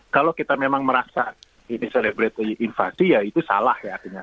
kalau kita memang merasa ini selebrate invasi ya itu salah ya artinya